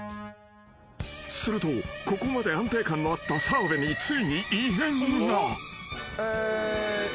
［するとここまで安定感のあった澤部についに異変が］えー。